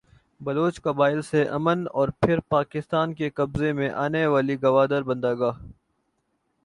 بلوچ قبائل سے عمان اور پھر پاکستان کے قبضے میں آنے والی گوادربندرگاہ